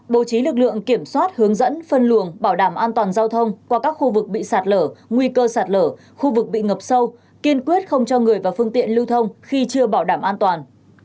bố trí lực lượng kiểm soát hướng dẫn phân luồng bảo đảm an toàn giao thông qua các khu vực bị sạt lở nguy cơ sạt lở khu vực bị ngập sâu kiên quyết không cho người và phương tiện lưu thông khi chưa bảo đảm an toàn